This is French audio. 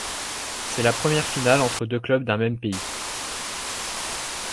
C'est la première finale entre deux clubs d'un même pays.